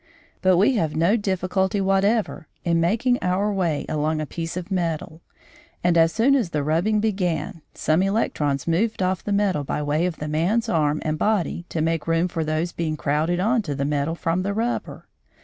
But we have no difficulty whatever in making our way along a piece of metal, and as soon as the rubbing began, some electrons moved off the metal by way of the man's arm and body to make room for those being crowded on to the metal from the rubber.